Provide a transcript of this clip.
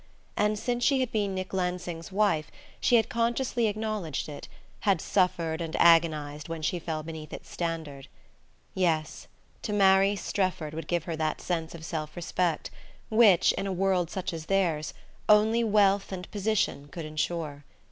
And since she had been Nick Lansing's wife she had consciously acknowledged it, had suffered and agonized when she fell beneath its standard. Yes: to marry Strefford would give her that sense of self respect which, in such a world as theirs, only wealth and position could ensure.